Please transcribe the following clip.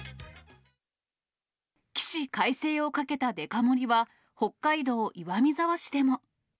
起死回生をかけたデカ盛りは、北海道岩見沢市でも。